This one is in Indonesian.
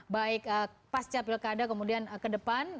baik pas capilkada kemudian ke depan